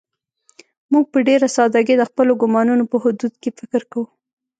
موږ په ډېره سادهګۍ د خپلو ګومانونو په حدودو کې فکر کوو.